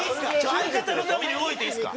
相方のために動いていいですか？